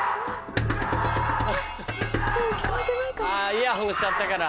イヤホンしちゃったから。